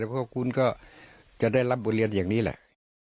เพราะคุณก็จะได้รับบทเรียนอย่างนี้แหละ